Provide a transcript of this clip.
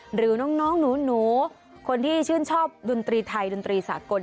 หรือน้องหนูคนที่ชื่นชอบดนตรีไทยดนตรีสากล